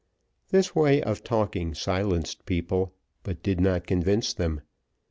This way of talking silenced people, but did not convince them.